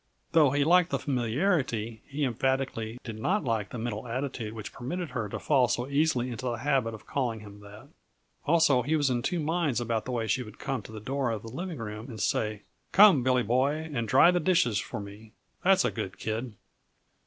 Though he liked the familiarity, he emphatically did not like the mental attitude which permitted her to fall so easily into the habit of calling him that. Also, he was in two minds about the way she would come to the door of the living room and say: "Come, Billy Boy, and dry the dishes for me that's a good kid!"